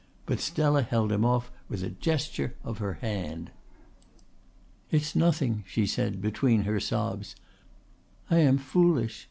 But Stella held him off with a gesture of her hand. "It's nothing," she said between her sobs. "I am foolish.